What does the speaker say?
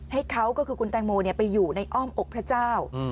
ให้เขาก็คือคุณแตงโมไปอยู่ในอ้อมอกพระเจ้า